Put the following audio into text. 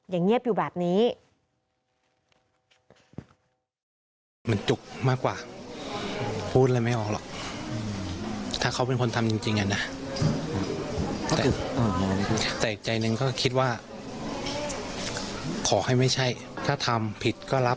ยังเงียบอยู่แบบนี้